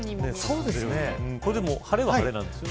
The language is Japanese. これでも晴れは晴れなんですよね。